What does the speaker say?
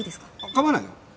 構わないよ。